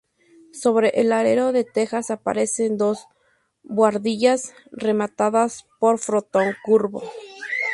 Sobre el alero de tejas aparecen dos buhardillas, rematadas por frontón curvo.